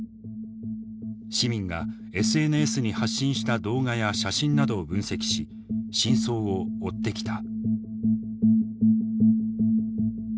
市民がＳＮＳに発信した動画や写真などを分析し真相を追ってきた。